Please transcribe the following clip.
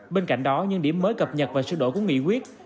bên cạnh đó những điểm mới cập nhật và sửa đổi của nghị quyết